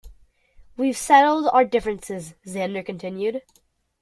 "We've settled our differences," Zander continued.